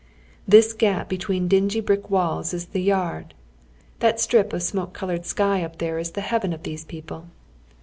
This gap between dingy brick walls is the yard. Tliat sti ip of smoke colored skv up there is the heaven of these people.